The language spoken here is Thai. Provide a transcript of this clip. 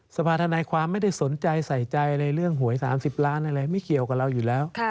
สภาธนายความไม่ได้สนใจใส่ใจในเรื่องหวย๓๐ล้านอะไรไม่เกี่ยวกับเราอยู่แล้ว